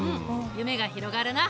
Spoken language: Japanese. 夢が広がるな。